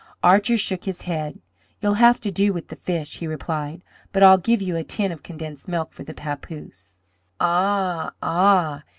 Archer shook his head. "You'll have to do with the fish," he replied; "but I'll give you a tin of condensed milk for the papoose." "Ah, ah!